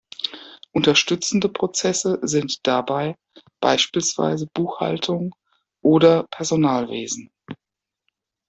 Unterstützende Prozesse sind dabei beispielsweise Buchhaltung oder Personalwesen.